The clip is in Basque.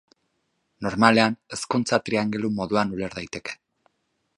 Normalean ezkontza-triangelu moduan uler daiteke.